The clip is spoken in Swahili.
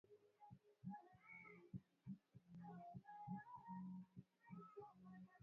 Lakini kutokana na kuendelea kwa teknolojia hivi sasa tunatangaza kupitia pia kwenye mitambo ya masafa ya kati